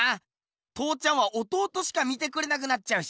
父ちゃんは弟しか見てくれなくなっちゃうしな。